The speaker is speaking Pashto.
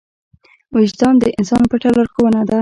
وجدان د انسان پټه لارښوونه ده.